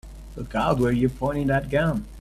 Look out where you're pointing that gun!